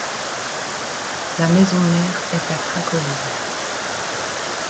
La maison-mère est à Cracovie.